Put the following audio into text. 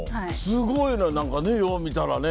すごいのよ何かよう見たらね。